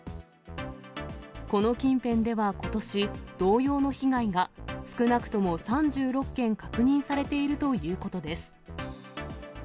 この近辺ではことし、同様の被害が少なくとも３６件確認されているということです。